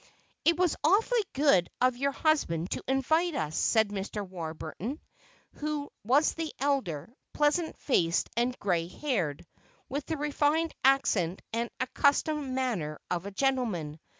"It was awfully good of your husband to invite us," said Mr. Warburton, who was the elder, pleasant faced and gray haired, with the refined accent and accustomed manner of a gentleman.